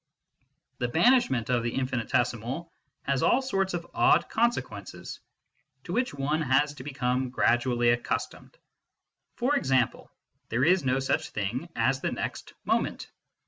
The banishment of the infinitesimal has all sorts of odd consequences, to which one has to become gradually accustomed. For example, there is no such thing as the next moment.